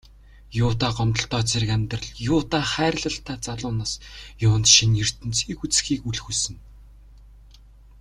Юутай гомдолтой зэрлэг амьдрал, юутай хайрлалтай залуу нас, юунд шинэ ертөнцийг үзэхийг үл хүснэ.